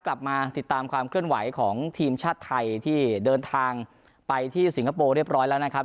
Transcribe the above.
กลับมาติดตามความเคลื่อนไหวของทีมชาติไทยที่เดินทางไปที่สิงคโปร์เรียบร้อยแล้วนะครับ